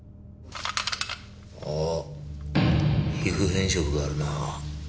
あ皮膚変色があるな。